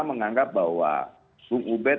menganggap bahwa sung ubed